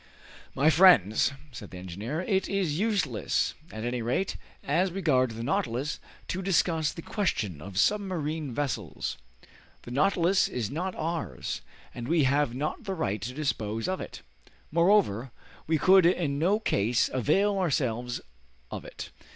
"My friends," said the engineer, "it is useless, at any rate as regards the 'Nautilus,' to discuss the question of submarine vessels. The 'Nautilus' is not ours, and we have not the right to dispose of it. Moreover, we could in no case avail ourselves of it.